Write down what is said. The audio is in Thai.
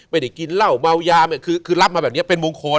ไม่ได้กินเหล้าเมายาคือรับมาแบบนี้เป็นมุมคน